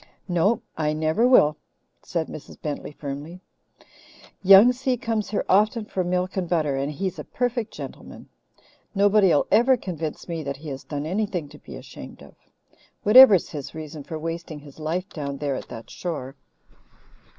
"No, I never will," said Mrs. Bentley firmly. "Young Si comes here often for milk and butter, and he's a perfect gentleman. Nobody'll ever convince me that he has done anything to be ashamed of, whatever's his reason for wasting his life down there at that shore."